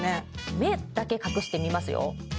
目だけ隠してみますよあ！